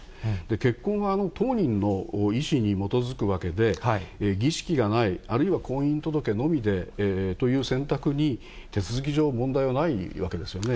結婚は当人の意思に基づくわけで、儀式がない、あるいは婚姻届のみでという選択に、手続き上問題はないわけですよね。